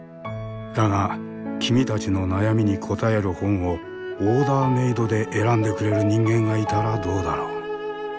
だが君たちの悩みに答える本をオーダーメードで選んでくれる人間がいたらどうだろう？